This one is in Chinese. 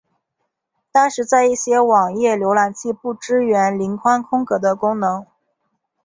但是在一些网页浏览器不支援零宽空格的功能。